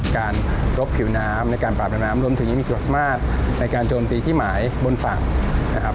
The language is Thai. การรบผิวน้ำในการปราบและน้ำรวมถึงยังมีจุดสมาสในการโจมตีที่หมายบนฝั่งนะครับ